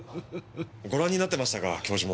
ご覧になってましたか教授も。